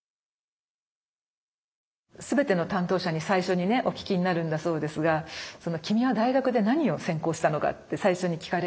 全ての担当者に最初にねお聞きになるんだそうですが「君は大学で何を専攻したのか」って最初に聞かれまして。